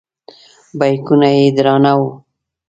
بیکونه یې درانه وو.